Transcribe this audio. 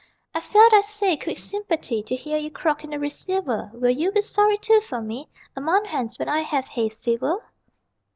_ I felt (I say) quick sympathy To hear you croak in the receiver Will you be sorry too for me A month hence, when I have hay fever?